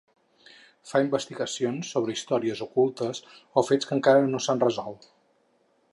Fa investigacions sobre històries ocultes o fets que encara no s'han resolt.